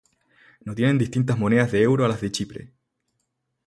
No tienen distintas monedas de euro a las de Chipre.